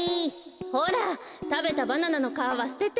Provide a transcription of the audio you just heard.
ほらたべたバナナのかわはすてて！